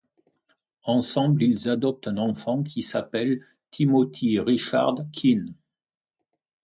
Ensemble ils adoptent un enfant qui s'appelle Timothy Richard Quine.